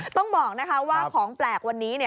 ต้องบอกนะคะว่าของแปลกวันนี้